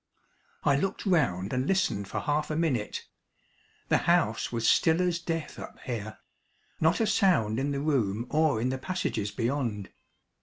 I looked round and listened for half a minute. The house was still as death up here not a sound in the room or in the passages beyond.